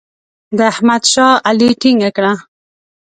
د احمد شا علي ټینګه کړه.